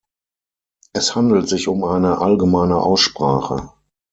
Es handelt sich um eine allgemeine Aussprache.